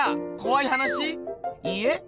いいえ